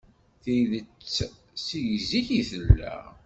Tidet seg zik i tella.